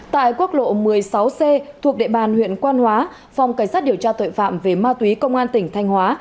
tại quốc lộ một mươi sáu c thuộc địa bàn huyện quan hóa phòng cảnh sát điều tra tội phạm về ma túy công an tỉnh thanh hóa